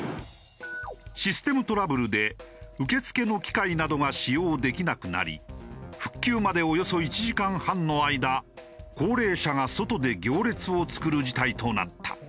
システムトラブルで受付の機械などが使用できなくなり復旧までおよそ１時間半の間高齢者が外で行列を作る事態となった。